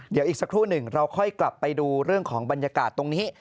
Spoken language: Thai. เดี๋ยวอีกสักครู่หนึ่งเราค่อยกลับไปดูเรื่องของบรรยากาศตรงนี้